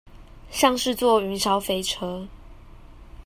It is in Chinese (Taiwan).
像是坐雲霄飛車